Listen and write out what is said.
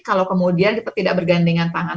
kalau kemudian kita tidak bergandengan tangan